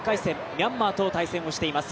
ミャンマーと対戦をしています。